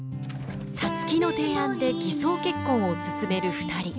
皐月の提案で偽装結婚を進める２人。